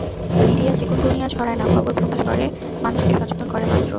Media chikungunya ছড়ায় না, খবর প্রকাশ করে মানুষকে সচেতন করে মাত্র।